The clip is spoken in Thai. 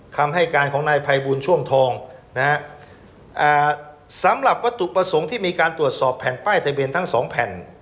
คำให้การของนายภัยบูลช่วงทองนะฮะสำหรับวัตถุประสงค์ที่มีการตรวจสอบแผ่นป้ายทะเบียนทั้งสองแผ่น